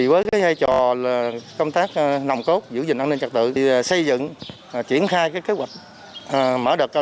với giai trò công tác nồng cốt giữ gìn an ninh trật tự thì xây dựng triển khai kế hoạch mở đợt cao